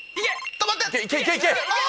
止まって！